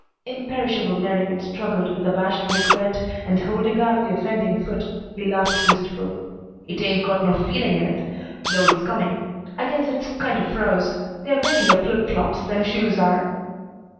Imperishable merriment struggled with abashed regret, and, holding out the offending foot, he laughed wistfully. "It ain't got no feeling in it, though it's coming. I guess it's kinder froze. They're regular flip flops, them shoes are."